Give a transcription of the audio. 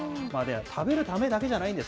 食べるためだけじゃないんです。